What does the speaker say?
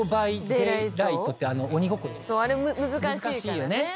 あれ難しいからね。